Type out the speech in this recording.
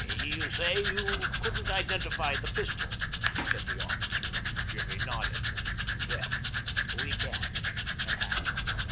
"You say you couldn't identify the pistol?" said the officer. Jimmy nodded. "Well, we can, and have.